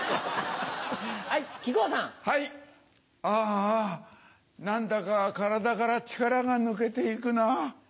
ああ何だか体から力が抜けて行くなぁ。